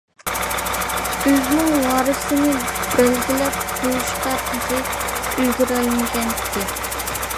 ئۆزىنىڭ ۋارىسىنى بەلگىلەپ قويۇشقا تېخى ئۈلگۈرەلمىگەنىدى.